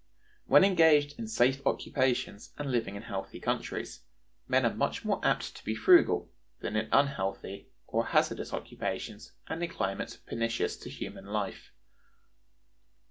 When engaged in safe occupations and living in healthy countries, men are much more apt to be frugal, than in unhealthy or hazardous occupations and in climates pernicious to human life.